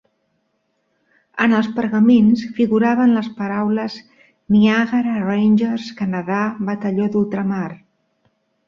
En els pergamins figuraven les paraules "Niagara Rangers", "Canadà", "Batalló d'Ultramar".